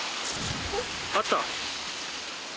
あった！